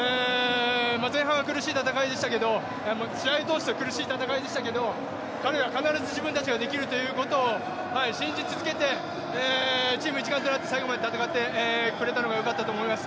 前半は苦しい戦いでしたけど、試合通して苦しい戦いでしたけど、彼ら、必ず自分たちはできるということを信じ続けてチーム一丸となって最後まで戦ってくれたのがよかったと思います。